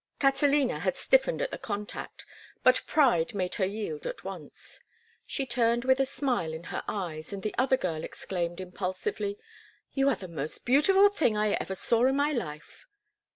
Catalina had stiffened at the contact, but pride made her yield at once. She turned with a smile in her eyes, and the other girl exclaimed, impulsively, "You are the most beautiful thing I ever saw in my life!"